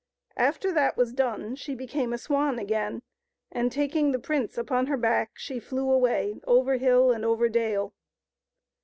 After that was done, she became a swan again, and, taking the prince upon her back, she flew away, over hill and over dale.